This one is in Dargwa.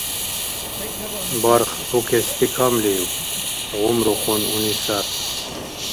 — Барх букести камлив? — гъумрухъун Унисат.